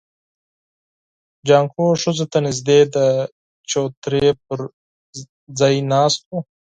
جانکو ښځو ته نږدې د چوترې پر ژی ناست و.